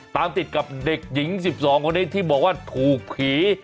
ตามติดกับเด็กหญิง๑๒ที่บอกว่าถูกผี